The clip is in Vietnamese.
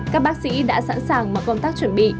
các bác sĩ đã sẵn sàng mở công tác chuẩn bị